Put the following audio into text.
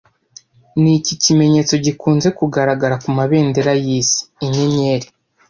Niki kimenyetso gikunze kugaragara kumabendera yisi Inyenyeri